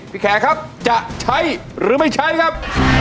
แขกครับจะใช้หรือไม่ใช้ครับ